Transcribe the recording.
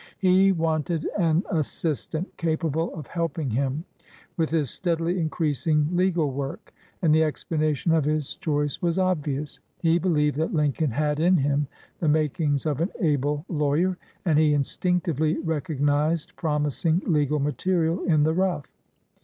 He wanted an assistant capable of help ing him with his steadily increasing legal work, and the explanation of his choice was obvious. He believed that Lincoln had in him the makings of an able lawyer, and he instinctively recog nized promising legal material in the rough.